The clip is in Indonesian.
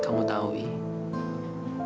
kamu tahu ibu